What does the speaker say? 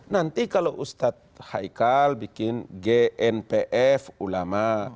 nanti kalau ustadz haikal bikin gnpf ulama